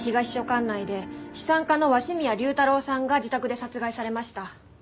管内で資産家の鷲宮竜太郎さんが自宅で殺害されました。